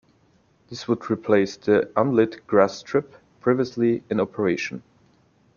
This would replace the unlit grass strip previously in operation.